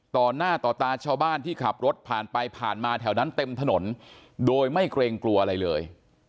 ต่อหน้าต่อตาชาวบ้านที่ขับรถผ่านไปผ่านมาแถวนั้นเต็มถนนโดยไม่เกรงกลัวอะไรเลย